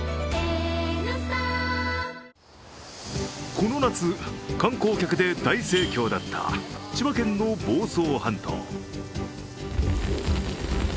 この夏、観光客で大盛況だった千葉県の房総半島。